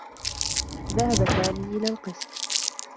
ذهب سامي إلى القسم.